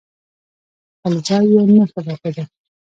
خپل ځای یې نه راښوده.